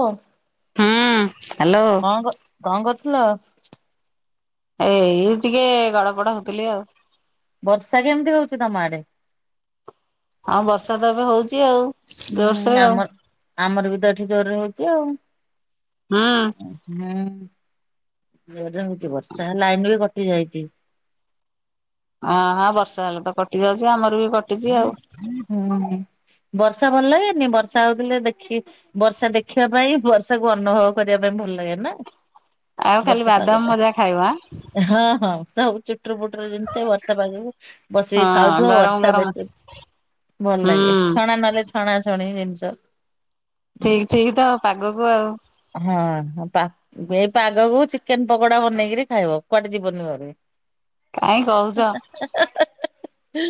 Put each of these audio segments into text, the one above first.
ହଁ ହୁଁ। ହ୍ୟାଲୋ କଣ କଣ କରଥିଲ ଏଇ ଟିକେ ଗଡ ପଡ ହଉଥିଲି ଆଉ ବର୍ଷା କେମିତି ହଉଛି ତମ ଆଡେ ହଁ ବର୍ଷା ତ ଏବେ ହଉଛି ଆଉ ହୁଁ ଜୋରସୋରେ ଆଉ ଆମର ଆମର ବି ତ ଏଠି ଜୋରରେ ହଉଛି ଆଉ ହଁ ହୁଁ ଛି ବର୍ଷା ଲାଇନ ବି କଟି ଯାଇଛି ହଁ ହଁ ବର୍ଷା ହେଲେ ତ କଟି ଯାଉଛି ଆମର ବି କଟିଛି ଆଉ ହୁଁ ବର୍ଷା ଭଲ ହଏନି ବର୍ଷା ହଉଥିଲେ ଦେଖି ବର୍ଷା ଦେଖିବା ପାଇଁ ବର୍ଷାକୁ ଅନୁଭବ କରିବା ପାଇଁ ଭଲ ଲାଗେ ନା ଆଉ ଖାଲି ବର୍ଷା ବାଦାମ ପାଗଟା ମଜା ଖାଇବ ଆଁ। ହଁ ହଁ ବର୍ଷା ହବୁ ଚୁଟୁର ପୁଟୁର ଜିନିଷ ବର୍ଷା ପାାଗ ବସିକି ହଁ ଖାଉଥିବ ଗରମ ବର୍ଷା ଗରମ ଦେଖୁ ଭଲ ଲାଗେ ହୁଁ ଛଣା ନହେଲେ ଛଣା ଛଣି ଜିନିଷ ଠିକ [unintelligible] ତ ପାଗକୁ ଆଉ ହଁ ଏଇ ପାଗକୁ ଚିକେନ ପକୋଡା ବନେଇକିରି ଖାଇବ, କୁଆଡେ ଯିବନି ଘରେ କାହିଁ କହୁଛ ହେ ହଁ ହେ ହେ ହେ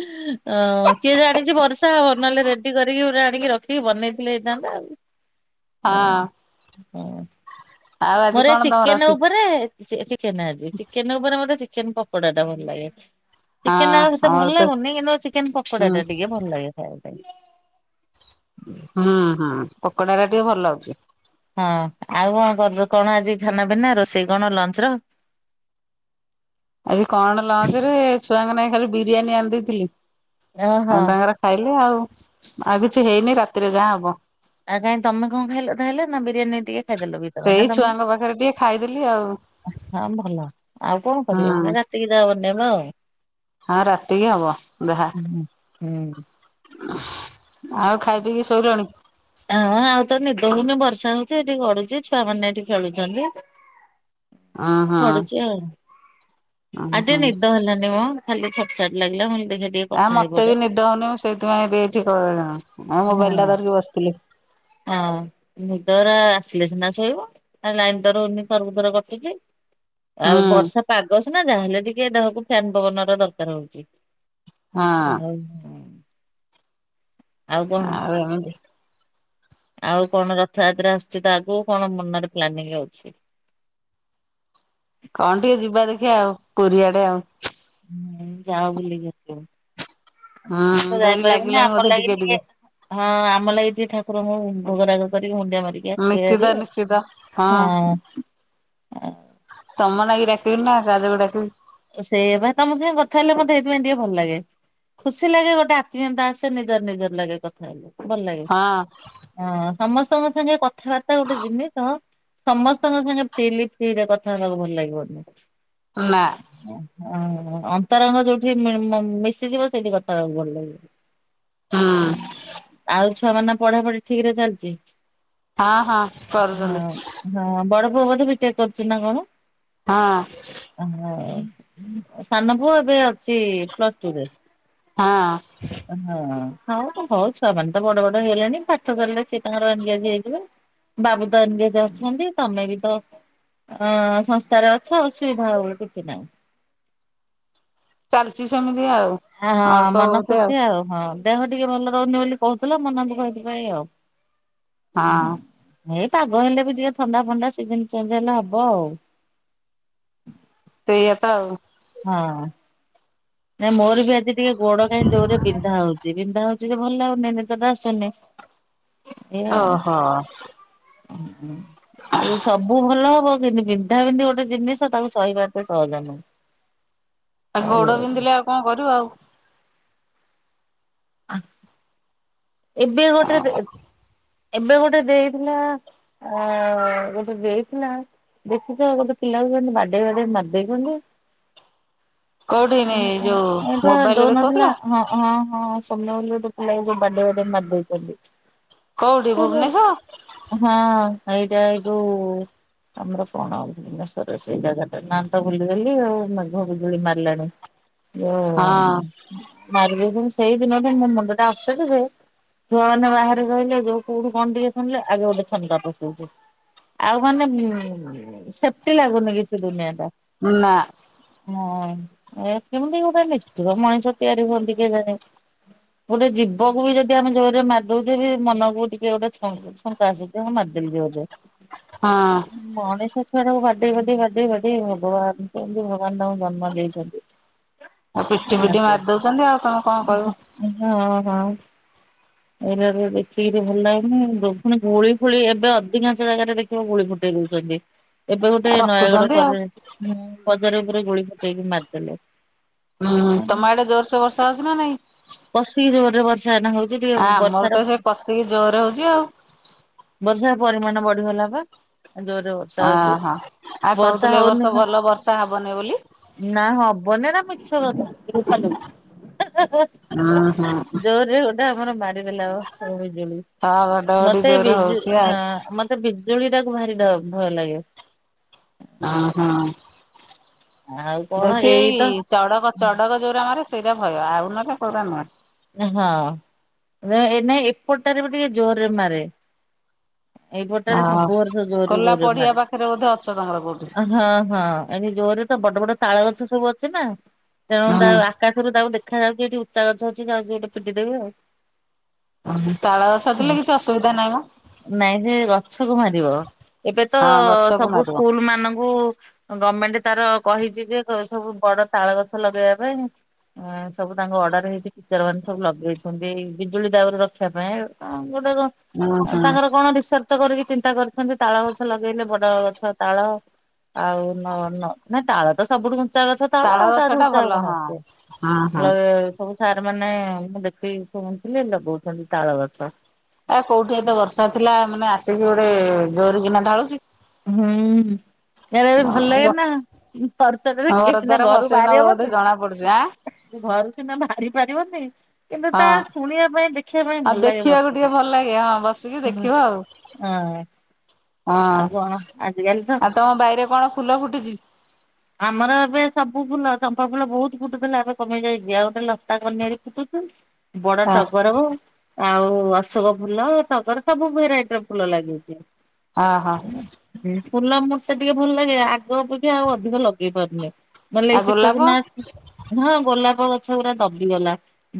ହେ ଓଁ କିଏ ଜାଣିଛି ବର୍ଷା ହବ ନହେଲେ ରେଡି କରିକି ପୋଟେ ଆଣିକି ରଖିକି ବନେଇଥିଲେ ହେଇଥାନ୍ତା ଆଉ [inaudible] ହଁ। ହଁ। ମୋର ତମର ଚିକେନ ଅଛି? ଉପରେ ଚିକେନ ଆଜି ଚିକେନ ଉପରେ ମତେ ଚିକେନ୍ ପକୋଡ଼ା ଟା ଭଲଲାଗେ। ହଁ ଚିକେନ ଆଉ ସେତେ ଆମର ଭଲ ତ ଲାଗୁନି କିନ୍ତୁ ଚିକେନ ପକୋଡା ହୁଁ ଟା ଟିକେ ଭଲ ଲାଗେ ଖାଇବାକୁ ହଁ ହଁ ପକୋଡା ଟା ଟିକେ ଭଲ ଲାଗୁଛି ହଁ ଆଉ କଣ କର କଣ ଆଜି ଖାନା ପିନା ରୋଷେଇ କଣ ଲଞ୍ଚ ର [inaudible] ଆଜି କଣ ଲଞ୍ଚ ରେ ଛୁଆମାନେ ଖାଲି ବିରିୟାନୀ ଆଣିଦେଇଥିଲି ଓହୋ ଆଉ ତାଙ୍କର ଖାଇଲେ ଆଉ ଆଉ କିଛି ହେଇନି ରାତିରେ ଯାହା ହବ। ଆଉ କାଇଁ ତମେ କଣ ଖାଇଲ ତା ହେଲେ ନା ବିରିୟାନୀ ଟିକେ ଖାଇଦେଲ ବି ତମେ ସେଇ ନା ତମେ ଛୁଆଙ୍କ ପାଖରେ ଟିକେ ଖାଇଦେଲି ଆଉ ହଁ ଭଲ, ଆଉ କଣ କରିବ, ରାତିକି ଯା ବନେଇବ ଆଉ ହଁ ରାତିକି ହବ, ଯାହା ହୁଁ ହୁଁ। ଆଉ ଖାଇ ପିଇକି ଶୋଇଲଣି? ହଁ, ଆଉତ ନିଦ ହଉନି ବର୍ଷା ହଉଛି ଏଠି ଗଡୁଛି ଛୁଆ ମାନ ଏଠି ଖେଳୁଛନ୍ତି। ଉଁ ହୁଁ ପଡୁଛି ଆଉ ଉଁ ଆଜି ହୁଁ। ନିଦ ହେଲାନି ମ, ଖାଲି ଛଟ ଛଟ ଲାଗିଲା, ମୁ ଆ ମତେ ବି ନିଦ ହଉନି ମୁଁ ସେଇଥିପାଇଁଏଇଠି [unintelligible] ମୋବାଇଲଟା ହଁ। ଧରିକି ବସିଥିଲି। ହଁ ନିଦରା ଆସିଲେ ସିନା ଶୋଇବ ଆଉ ଲାଇନ ତ ରହୁନି, ଥରକୁ ଥର କଟୁଛି। ହୁଁ ଆଉ ବର୍ଷା ପାଗସିନା, ଯାହାହେଲେ ଟିକେ ଦେହକୁ ଫ୍ୟାନ ପବନର ଦରକାର ହଉଛି। ହଁ। ଆଉ ଏମତି ଆଉ କଣ ରଥଯାତ୍ରା ଆସୁଛି ତ ଆଗକୁ, କଣ ମନରେ ପ୍ଲାନିଂ ହଅଛି? [inaudible] କଣ ଟିକେ ଯିବା ଦେଖିଆ ଆଉ, ପୂରୀ ଆଡେ ଆଉ ଯାଅ ବୁଲି [unintelligible] ଆସି ଯିବ ହୁଁ ତ ଡୋରି ଯାଇପାରିବୁନି ଲାଗିଲାଣି ଆମ ବୋଧେ ଲାଗି ଟିକେ, ହଁ ଆମ ଲାଗି ଠାକୁରଙ୍କୁ ଭୋଗରାାଗ କରିକି ମୁୁଣ୍ଡିଆ ମାରିକି ନିଶ୍ଚିତ ଆାସିଵିଭାରି ଆଉ, ନିଶ୍ଚିତ ହଁ ତମ ନାଗି ଡାକିବିନା, କା ଯୋଗୁଁ ଡାକିବି ତ ସେଇବା ତମ ସାଙ୍ଗେ କଥା ହେଲେ ମତେ ସେଇଥିପାଇଁ ଟିକେ ଭଲ ଲାଗେ। ଖୁସି ଲାଗେ, ଗୋଟେ ଆତ୍ମୀୟତା ଆସେ, ନିଜର ନିଜର ଲାଗେ କଥା ହେଲେ। ଭଲ ଲାଗେ, ହଁ ହଁ ସମସ୍ତଙ୍କ ସାଙ୍ଗେ କଥାବାର୍ତ୍ତା ଗୋଟେ ଜିନିଷ ସମସ୍ତଙ୍କ ସାଙ୍ଗେ ଫ୍ରିଲି ଟିକେ କଥା ହେବାକୁ ଭଲ ଲାଗିବନି। ନା। ହଁ, ଅନ୍ତରଙ୍ଗ ଯୋଉଠି ମ ମି ମିଶିଯିବ, ସେଇଠି କଥାହେଵାକୁ ଭଲ ହୁଁ ଲାଗିବ। ଆଉ ଛୁଆମାନ ପଢାପଢି ଠିକରେ ଚାଲିଛି? ହଁ ହଁ କରୁଛନ୍ତି ହଁ, ହଁ ବଡ ପୁଅ ବୋଧେ ବିଟେକ୍ କରୁଛି ନା କଣ? ହଁ। ହଁ, ସାନ ପୁଅ ଏବେ ଅଛି ପ୍ଲସଟୁରେ? ହଁ। ଅହଁ। ହଉ, ହଉ ଛୁଆମାନେ ତ ବଡ ବଡ ହେଇଲେଣି, ପାଠ ପଢିଲେ ସିଏ ତାଙ୍କର ଏନଗେଜ ହେଇଯିବେ। ବାବୁତ ଏନଗେଜ୍ ଅଛନ୍ତି ତମେବି ତ ହଁ ସଂସ୍ଥାରେ ଅଛ ଅସୁବିଧା ଆଉ କିଛି ନାହିଁ। ଚାଲିଛି ସମ ହଁଆଃ ମନ ଖୁସି ଆଉ ହଁ। ଦେହ ଟିକେ ଭଲ ରହୁନି ବୋଲି କହୁଥିଲ, ମନଦୁଃଖ ହେଇଥିପାଇଁ ଆଉ। ହଁ ପାଗ ହେଲେବି ଟିକେ ଥଣ୍ଡା ଫଣ୍ଡା ସିଜିନ ଚେଞ୍ଜ ହେଲେ ହବ ଆଉ। ତେୟାତ ଆଉ। ହଁ, ନାଇଁ ମୋର ବି ଆଜି ଟିକେ ଗୋଡ କାଇଁ ଯୋରରେ ବିନ୍ଧା ହଉଛି, ବିନ୍ଧା ହଉ ଯଦି ଭଲ ଲାଗୁନି ନିଦଟା ଆସୁନି। ଏଇଆ ଆଉ। ଓହୋ। ଆଉ ସବୁ ଭଲ ହବ। ଯେମିତି ବିନ୍ଧା ବିନ୍ଧି ଗୋଟେ ଜିନିଷ, ତାକୁ ସହିବା ଏତେ ସହଜ ନୁହଁ। ଆଉ ସହି ଗୋଡ ହବନି ବିନ୍ଧିଲେ ଆଉ କଣ କରିବ ଆଉ। ଆ [inaudible] ଏବେ ଗୋଟେରେ ଏବେ ଗୋଟେ ଦେଇଥିଲା, ଆ ଗୋଟେ ଦେଇଥିଲା। ଦେଖିଚ, ଗୋଟେ ପିଲାଙ୍କୁ କେମିତି ବାଡେଇ ବାଡେଇ ମାରି ଦେଇଚନ୍ତି। କୋଉଠି ଯୋଉ [unintelligible] ଏଟା ମୋବାଇଲରେ ଦଉନଥିଲା ଦେଖଉଥିଲା ହଁ ହଁ ହଁ। ସୋମ୍ୟ ବୋଲି ଗୋଟେ ପିଲାକୁ ଯୋଉ ବଡେଇ ବଡେଇ ମାରି ଦେଇଛନ୍ତି। କୋଉଠି ତାହେଲେ ଭୁବନେଶ୍ଵର ହଁ ହେଇଟା ଏଇ ଯୋଉ। ଆମର କଣ ଭୁବନେଶ୍ଵରରେ ସେଇ ଜାଗାଟା ନା ତ ଭୁଲିଗଲି ଆଉ ମେଘ ବୁଜୁଳି ମାରିଲାଣି। ହଁ [unintelligible] ମାରିଦେଇଚନ୍ତି ସେଇ ଦିନଠୁ ମୋ ମୁଣ୍ଡଟା ଅପସେଟ ଯେ ଛୁଆମାନେ ବାହାରେ ରହିଲେ ଯୋଉ କୋଉଠୁ କଣ ଟିକେ ଶୁଣିଲେ ଆଗେ ଗୋଟେ ଛନକା ପଶି ଯାଉଛି। ଆଉ ମାନେ ଉଁ ସେଫ୍ଟି ଲାଗୁନି କିଛି ଦୁନିଆଟା। ନା। ହଁ ଏ କେମିତି ଗୋଟେ ନିଷ୍ଠୁର ମଣିଷ ତିଆରି ହୁଅନ୍ତି କିଏଜାଣି। ଗୋଟେ ଜୀବକୁ ବି ଯଦି ଯଦି ଆମ ଜୋରରେ ମାରି ଦଉଛେ ବି ମନକୁ ଟିକେ ଗୋଟେ ଛ ଶଙ୍କା ଆସୁଛି [unintelligible] ହଁ ମାରି ଦେଲି ଜୋରରେ। ଉ ହଁ ମଣିଷ ଛୁଆଟାକୁ ବାଡେଇ ବାଡେଇ ବାଡେଇ ଭଗବାନ କେମତି ଭଗବାନ ତାଙ୍କୁ ଜନ୍ମ ଦେଇଛନ୍ତି। ପିଟି ପିଟି ମାରିଦିଅ ମାରି ଦଉଛନ୍ତି ଆଉ ତମେ କଣ କହିବ [unintelligible] ହଁ ହଁ। ଏଇରାରେ ଦେଖିକିରି ଭଲ ଲାଗୁନି ଗୁଳି ଫୁଳି ଏବେ ଅଧିକାଂଶ ଜାଗାରେ ଦେଖିବ ଗୁଳି ଫୁଟେଇ ଦଉଛି। [unintelligible] ଏବେ ଗୋଟେ ଆଉ ନୟାଗଡ ରଖୁଛନ୍ତି ଆଉ କରରେ ଉଁ ବଜାର ଉପରେ ଗୁଳି ଫଟେଇକି ମାରିଦେଲେ। ହୁଁ ତମ ଏଡେ ଜୋରସେ ବର୍ଷା ହଉଛି ନା ନାଇଁ? ପଶି ରୋଡରେ ବସି ଫ୍ୟାନ ହଉଛି ଟିକେ ଆମର ତ ବର୍ଷାର ସେ କଷିକି ଜୋର ହଉଛି ଆଉ ବର୍ଷା ପରିମାଣ ବଢିଗଲା ବା। ଜୋରରେ ବର୍ଷା ହଉଛି ଅହ ଆଉ ବର୍ଷା କହୁଥିଲେ ଏ ବର୍ଷ ହଉନି କ ଭଲ ବର୍ଷା ହବନି ବୋଲି। ନା ହବନି ଏରା ମିଛ କଥା ହେଃ ହେଃ। ଅହଂ। ଆମର ମାରିଦେଲା ଓ ସବୁ ବିଜୁଳି ହଁ ଘଡଘଡି ମତେ ଜୋରେ ବିଜୁ ହଉଛି ଆଉ ହଁ ମତେ ବିଜୁଳି ତାକୁ ଭାରି ଡ଼ ଭୟ ଲାଗେ। ଅହଂ। ଆଉ କଣ ବେଶୀ ଏଇ ତ ଚଡକ ଚଡକ ଯୋଉରା ମାରେ ସେଇଟା ଭୟ ଆଉ ନହେଲେ କଉରା ନୁହେଁ। ହଁ ନାଇ ଏପଟଟାରେ ବ ଟିକେ ଜୋରରେ ମାରେ। ଏଇପଟାରେ ସବୁ ହଁ। ବର୍ଷ ଜୋର ଖୋଲା ଜୋରେ ପଡିଆ ମାରେ। ପାଖରେ ବୋଧେ ଅଛ ତମର କୋଉଠି? ହଁ ହଁ ଏଣି ଜୋରେ ତ ବଡ ବଡ ତାଳ ଗଛ ସବୁ ଅ ଅଛିନା ତେଣୁ ତା ହୁଁ। ଆକାଶରୁ ତାକୁ ଦେଖା ଯାଉଛି ଏଠି ଉଚା ଗଛ ଅଛି ଯାଉଛି ଗୋଟେ ପିଟି ଦେବି ଆଉ ତାଳ ଗଛ ଥିଲେ କିଛି ଅସୁବିଧା ନାହିଁ ମ ନାଇଁ ଯେ ଗଛକୁ ମାରିବ ଏବେ ତ ହଁ ଗଛକୁ ସବୁ ମାରିବ। ସ୍କୁଲ ମାନଙ୍କୁ ଗଭମେଣ୍ଟ ତାର କହିଛି ଯେ ସବୁ ବଡ ତାଳ ଗଛ ଲଗେଇବା ପାଇଁ ସବୁ ତାଙ୍କ ଅର୍ଡର ହେଇଛି ଚର ମାନେ ସବୁ ଲଗେଇଛନ୍ତି ବିଜୁଳି ଦାଉରେ ରଖିବା ପାଇଁ ଆ ଗୋଟେ ଉଁ ହୁଁ। ତାଙ୍କର କଣ ରିସର୍ କଷ୍ଟ କରିକି ଚିନ୍ତା କରିଛନ୍ତି ତାଳ ଗଛ ଲଗେଇଲେ ବଡ ଗଛ ତାଳ ଆଉ ନ ନ ନାଇଁ ତାଳ ତ ସବୁଠୁ କଚା ଗଛ ତାଳ ଆଉ ଗଛ ଟା ତାଠୁଚାଉ ଭଲ କଣ ହଁ। ହଉଛି ହଁ ହଁ। ସବୁ ସାର୍ ମାନେ ମୁଁ ଦେଖିକି ଶୁଣଥିଲି ଲଗଉଛନ୍ତି ତାଳ ବାଛ ଏ କୋଉଠି ଏତେ ବର୍ଷା ଥିଲା ମାନେ ଆସିକି ଗୋଟେ ଜର କିନା ଢାଳୁଛି ହୁଁ ଖେଳ ବି ଭଲ ଲାଗେ ନା ପଷ ଘର କିଛି ନା ଦ୍ୱାର ଘରୁ ଭସେଇ ବାହାରି ନବ ବୋଧେ ହବନି ଜଣା ପଡୁଛି ଆଁ ଘରୁ ସିନା ବାହାରି ପାରିବନି କିନ୍ତୁ ତା ହଁ ଶୁଣିବା ପାଇଁ ଦେ ଶଖିବା ପାଇଁ ଆଉ ଭଲ ଲାଗେ ଦେଖିବାକୁ ଟିକେ ବର୍ସିିନ ଭଲ ଲାଗେ ହଁ ବସିକି ଦେଖିବ ଆଉ ହଁ। ହ ଆଉ କଣ ଆଜିକାଲି ତ ଆଉ ତମ ବାଇରେ କଣ ଫୁଲ ଫୁଟିଛି ଆମର ଏବେ ସବୁ ଫୁଲ ଚମ୍ପା ଫୁଲ ବହୁତ ଫୁଟୁଥିଲା ଏବେ କମେଇ ଯାଇଛି ଆଉ ଗୋଟେ ଲସ୍ତା କନିଆୀ ଫୁଟୁଛି ବଡ଼ ହଁ ଟଗର ହୋ। ଆଉ ଅଶୋକ ଫୁଲ ଟଗର ସବୁ ଭେରାଇଟିର ଫୁଲ ଲାଗିଚି। ଅ ହଁ ସେ ଟିକେ ଭଲ୍ ଲାଗେ ଆଗ ଅପେକ୍ଷା ଆଉ ଅଧିକ ଲଗେଇ ପାରୁନି। ନଲେ ଆଉ ଗୋଲାପ ଶୀତଦିନ ଅସିବ ହଁ ଗୋଲାପ ଗଛ ପୁରା ଦବିଗଲା।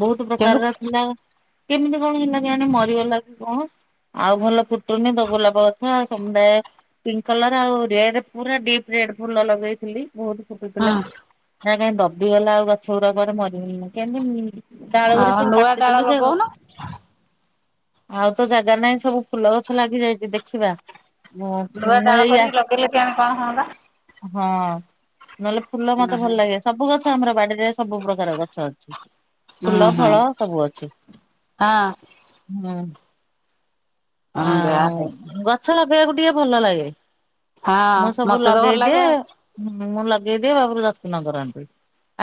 ବହୁତ ଗେଣ୍ଡୁ ପ୍ରକାରର ହୁଁ ଥିଲା। କେମିତି କଣ ହେଲା କିଣି ମରିଗଲା କି କଣ? ଆଉ ଭଲ ଫୁଟୁନି ତ ଗୋଲାପ ଗଛ ଆଉ ସମୁଦାୟ। ପିଙ୍କ୍ କଲର ଆଉ ରେଡ୍ ପୁରା ଡିପ୍ ରେଡ୍ ଫୁଲ ଲଗେଇ ଥିଲି ବହୁତ ଫୁଟୁଥିଲା ନାଁ କାଇଁ ଦବିଗଲା ଆଉ ଗଛ ଗୁଡ଼ା କୁଆଡ଼େ ମରିଗଲା କେମିତି? ଡାଳ ଗୁଡ଼ା ଆଉ ସବୁ ନୂଆ ଡାଳ କାଟିଦେଲୁ ଯେ। ଲଗଉନ ଆଉ ତ ଜାଗା ନାହିଁ, ସବୁ ଫୁଲ ଗଛ ଲାଗି ଯାଇଛି। ଦେଖିବା। ହଁ ନୂଆ ଡାଳ ମଇ କରିକି ଆସ ଲଗେଇଲେ କେଆଣି କଣ ହୁଅନ୍ତା [inaudible] ହଁ, ନହେଲେ ଫୁଲ ହୁଁ ହୁଁ ମତେ ଭଲ ଲାଗେ। ସବୁ ଗଛ ଆମର ବାଡ଼ିରେ ସବୁ ପ୍ରକାର ଗଛ ଅଛି। ହୁଁ ଫୁଲ, ହୁଁ ଫଳ ସବୁ ଅଛି। ହଁ ହୁଁ। ହଁ ଯା ଆଉ ହଉ ଗଛ ଲଗେଇବାକୁ ଟିକେ ଭଲ ଲାଗେ। ହଁ ମୁଁ ସବୁ ମତେ ତ ଭଲ ଲଗେଇଦିଏ। ଲାଗେ ଆଉ ମୁଁ ଲଗେଇଦିଏ ବାବୁ ଯତ୍ନ କରନ୍ତି।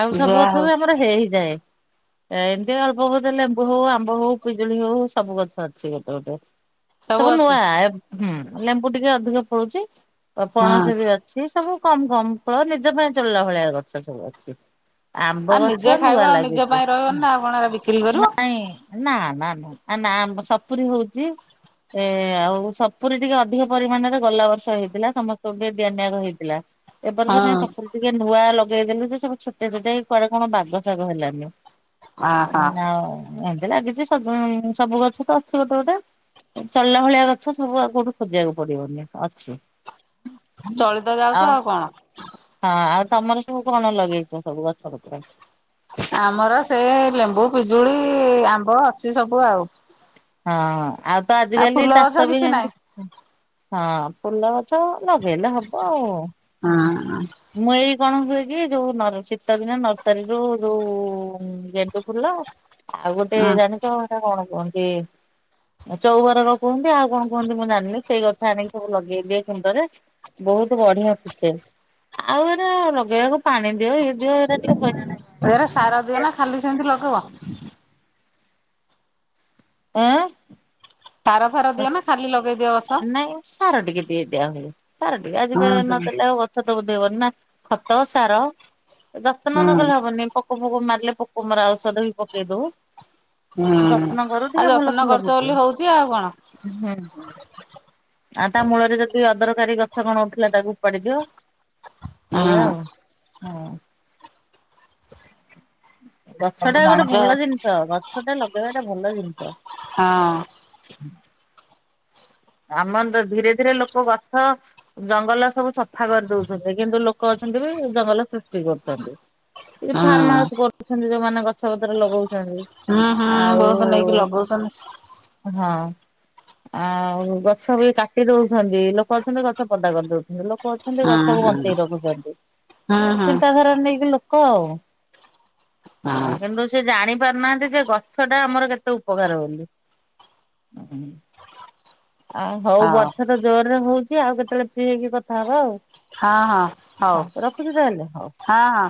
ଆଉ ସବୁ ଯା ଗଛ ହଉ ବି ଆମର ହେଇଯାଏ। ଏମିତି ଅଳ୍ପ ବହୁତ ଲେମ୍ବୁ ହଉ ଆମ୍ବ ହଉ ପିଜୁଳି ହଉ ସବୁ ଗଛ ଅଛି ଗୋଟେ ଗୋଟେ। ସବୁ ନୂଆ ଲେମ୍ବୁ ଟିକେ ଅଧିକ ଫଳୁଛି। ହଁ ପଣସ ବି ଅଛି ସବୁ କମ୍ କମ୍ ଫଳ ନିଜ ପାଇଁ ଚଳିଲା ଭଳିଆ ଗଛ ସବୁ ଅଛି। ଆମ୍ବ ଆଉ ନିଜେ ଗଛ ଖାଇବ ନୂଆ ଆଉ ନିଜ ଲାଗିଚି ପାଇଁ ରହିବନି ନା ଆଉ କଣ ଏରା ବିକ୍ରି କରିବ ନାଇଁ ନା ନା ନାମ ଆମ ସପୁରୀ ହଉଚି। ଏ ଆଉ ସପୁରି ଟିକେ ଅଧିକ ପରିମାଣରେ ଗଲା ବର୍ଷ ହେଇଥିଲା। ସମସ୍ତଙ୍କୁ ଟିକେ ଦିଆନିଆ ହେଇଥିଲା। ହଁ ଏବର୍ଷ କାଇଁ ସପୁରି ଟିକେ ନୂଆ ଲ ପଗେଇଦେଲୁ ଯେ ସବୁ ଛୋଟିଆ ଛୋଟିଆ ହେଇ କୁଆଡ଼େ କଣ ବାଗ ଶାଗ ହେଲାନି ଆଉ। ଅ ହଁ ଲାଗିଛି ସବୁ ଗଛ ତ ଅଛି ଗୋଟେ ଗୋଟେ। ଚଳିଲା ଭଳିଆ ଗଛ ସବୁ ଆଉ କୋଉଠୁ ଖୋଜିବାକୁ ପଡ଼ିବନି ଅଛି। ଚଳିତ ଯାଉଚ ଆଉ କଣ? ହଁ ଆଉ ତମର ସବୁ କଣ ଲଗେଇଚ ସବୁ ଗଛପତ୍ର? ଆମର ସେ ଲେମ୍ବୁ ପିଜୁଳି ଆମ୍ବ ଅଛି ସବୁ ଆଉ। ହଁ ଆଉ ତ ଆଜିକାଲି ଫୁଲ ଗଛ ଚାଷ ବି କିଛି ଏମ୍ ନାହିଁ ତି। ହଁ ଫୁଲ ଗଛ ଲଗେଇଲେ ହବ ଆଉ। ହଁ ମୁଇ କଣ ହୁଏ କି ଯୋଉ ଶୀତ ଦିନେ ନର୍ସରୀରୁୁ ଯୋଉ ଗେଣ୍ଡୁ ଫୁଲ ଆଉ ଗୋଟେ ହଁ ଜାଣିଚ ସେଟା କଣ କୁହନ୍ତି ଚଉବରଗ କୁହନ୍ତିଆଉ କଣ କୁହନ୍ତି ମୁଁ ଜାଣିନି। ସେଇ ଗଛ ଆଣିକି ସବୁ ଲଗେଇଦିଏ କୁଣ୍ଡରେ। ବହୁତ ବଢିଆ ଫୁଟେ। ଆଉ ହେରା ଲଗେଇବାକୁ ପାଣି ଦିଅ ଇଏ ଦିଅ ଏରା ଟିକେ ହଇରାଣ। ଏରା ସାର ଦିଅ ହେବା ନା ଖାଲି ସେନ୍ତି ଲଗାଅ। ଏଁ ସାର ଫାର ଦିଅନା ଖାଲି ଲଗେଇ ଦିଅ ନାଇଁ ସାର ଟିକେ ଦେ ଦିଆ ହୁଏ। ସାର ଟିକେ ହୁଁ ଆଜିିକ ହୁଁ ନଦେଲେ ଆଉ ଗଛ ତ ଉଧେଇବନି ନା। ଖତ, ସାର ଯତ୍ନ ହୁଁ ନକଲେ ହବନି। ପୋ ପୋକ ମୋକ ମାରିଲେ ବି ପୋକ ମରା ଔଷଧ ବି ପକେଇ ଦଉ। ହୁଁ ଯତ୍ନ କରୁ ଆଉ ଟିକେ ଭଲ ଯତ୍ନ ଫୁଲ କରୁଛ ବୋଲି ଫୁଟେ। ହଉଛି ଆଉ କଣ। [unintelligible] ଆ ତା ମୂଳରେ ଯଦି ଅଦରକାରୀ ଗଛ କଣ ଉଠିଲା ତାକୁ ଉପାଡ଼ି ଦିଅ। ହଁ ଏଇଆ ଆଉ ହଁ। ଗଛ ସବୁ ଟା ଗୋଟେ ଜାଣିଛ ହଁ। ଭଲ ଜିନିଷ। ଗଛ ଟା ଲଗେଇବାଟା ଭଲ ଜିନିଷ। ହଁ। [inaudible] ଆମର ତ ଧୀରେ ଧୀରେ ଲୋକ ଗଛ ଜଙ୍ଗଲ ସବୁ ସଫା କରି ଦଉଛନ୍ତି। କିନ୍ତୁ ଲୋକ ଜଙ୍ଗଲ ସୃଷ୍ଟି କରୁଛନ୍ତି। କି ହଁ ଫାର୍ମ ହାଉସ କରୁଛନ୍ତି ଯୋଉମାନେ ଗଛ ପତ୍ର ଲଗଉ [unintelligible] ହୁଁ ହୁଁ ଆଉ ବହୁତ ନେଇକି ଲଗଉଛନ୍ତି ହଁ। ଆଉ ଗଛ ବି କାଟି ଦଉଛନ୍ତି। ଲୋକ ଅଛନ୍ତି ଗଛ ପଦା କରିଦଉଛନ୍ତି। ଲୋ ଲୋକ ଅଛନ୍ତି ହଁ ଗଛକୁ ବଞ୍ଚେଇ ହଁ। ରଖୁଛନ୍ତି। ହୁଁ ହୁଁ ଚିନ୍ତାଧାରା ନେଇକି ଲୋକ ଆଉ। ହଁ କିନ୍ତୁ ସେ ଜାଣି ପାରୁନାହାନ୍ତି ଯେ ଗଛ ଟା ଆମର କେତେ ଉପକାର ବୋଲି। [inaudible] ଆଉ ହଉ ବର୍ଷା ତ ଜୋରରେ ହଉଛି ଆଉ କେତେବେଳେ ଫ୍ରି ହେଇକି କଥା ହବ ଆଉ। ହଁ ହଁ ହଉ ରଖୁଛି ତାହେଲେ ହଉ। ହଁ ହଁ।